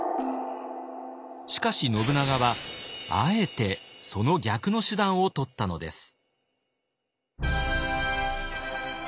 しかし信長はあえてその逆の手段をとったのです。